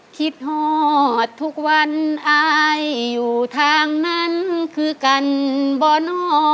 หอดทุกวันอายอยู่ทางนั้นคือกันบ่อนอ